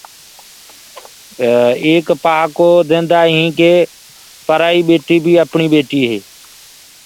اور اڪسر ايڪ پهاڪو بيٚ ديندآ هينٚ ڪي پرائي ٻيٽي بي اپڻي هي ٻيٽي هي۔